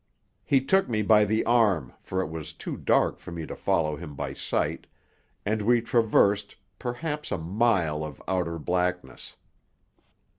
He took me by the arm, for it was too dark for me to follow him by sight, and we traversed, perhaps, a mile of outer blackness.